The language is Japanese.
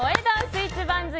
スイーツ番付